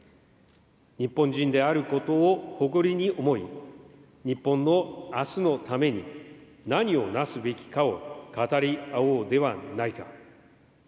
日本人であることを誇りに思い、日本のあすのために何をなすべきかを語り合おうではないか。